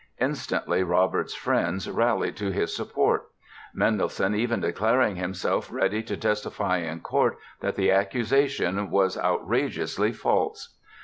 Instantly Robert's friends rallied to his support, Mendelssohn even declaring himself ready to testify in court that the accusation was outrageously false.